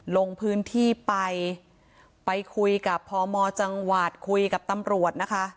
ลงพื้นที่ไปไปคุยกับพมจังหวัดคุยกับตำรวจนะคะ